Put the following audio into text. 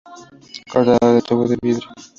Cortadora de tubo de vidrio.